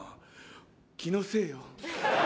気のせいよ。